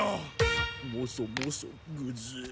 モソモソグズ。